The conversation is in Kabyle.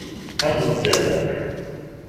Aẓet-d ar da!